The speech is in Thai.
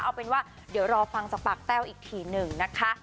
เอาเป็นว่าเดี๋ยวรอฟังจากปากแต้วอีกทีหนึ่งนะคะ